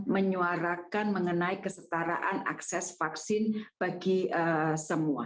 menyuarakan mengenai kesetaraan akses vaksin bagi semua